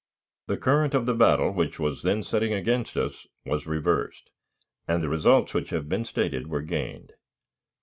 The current of the battle which was then setting against us was reversed, and the results which have been stated were gained.